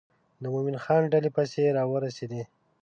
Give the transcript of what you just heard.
د مومن خان ډلې پسې را ورسېدې.